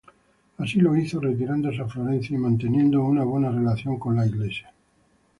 Así lo hizo, retirándose a Florencia y manteniendo una buena relación con la Iglesia.